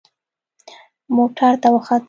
موټر ته وختم.